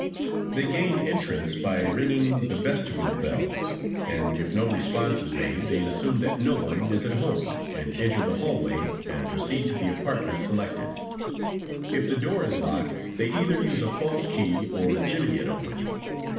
"They gain entrance by ringing the vestibule bells, and, if no response is made, they assume that no one is at home, and enter the hallway and proceed to the apartment selected. If the door is locked they either use a false key or jimmy it open.